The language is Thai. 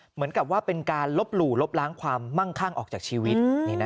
เหมือนกับว่าเป็นการลบหลู่ลบล้างความมั่งคั่งออกจากชีวิต